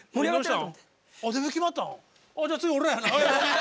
あじゃあ次は俺らやな。